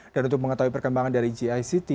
dan untuk mengetahui perkembangan dari gict